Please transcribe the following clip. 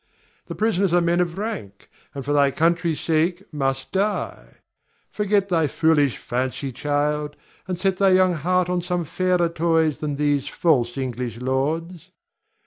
The prisoners are men of rank, and for thy country's sake must die. Forget thy foolish fancy, child, and set thy young heart on some fairer toys than these false English lords.